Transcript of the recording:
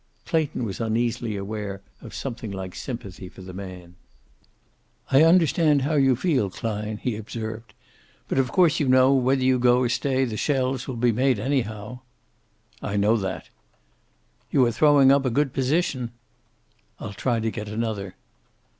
Clayton was uneasily aware of something like sympathy for the man. "I understand how you feel, Klein," he observed. "But of course you know, whether you go or stay, the shells will be made, anyhow." "I know that." "You are throwing up a good position." "I'll try to get another."